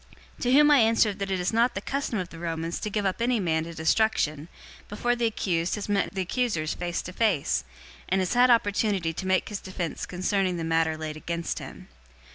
025:016 To whom I answered that it is not the custom of the Romans to give up any man to destruction, before the accused has met the accusers face to face, and has had opportunity to make his defense concerning the matter laid against him.